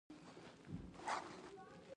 دوه طرفه ګوزاره ورسره کېدای شوه.